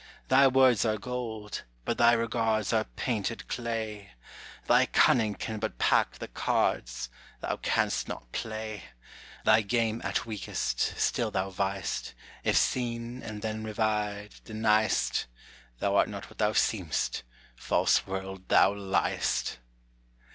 Thy words are gold, but thy regards Are painted clay: Thy cunning can but pack the cards, Thou canst not play: Thy game at weakest, still thou vy'st; If seen, and then revy'd, deny'st: Thou art not what thou seem'st; false world, thou ly'st.